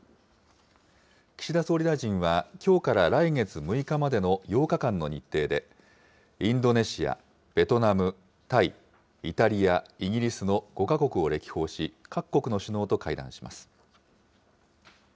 岸田総理大臣は、きょうから来月６日までの８日間の日程で、インドネシア、ベトナム、タイ、イタリア、イギリスの５か国を歴訪し、各国の首脳と会談します。